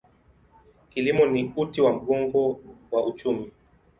Kilimo ni uti wa mgongo wa uchumi.